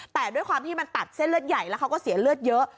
แต่ด้วยความที่มันตัดเส้นเลือดใหญ่แล้วเขาก็เสียเลือดเยอะ